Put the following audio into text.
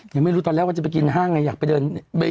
ยังไม่รู้ตอนแรกว่าจะไปกินห้างไงอยากไปเดิน